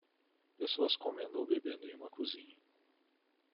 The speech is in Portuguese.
Pessoas comendo ou bebendo em uma cozinha.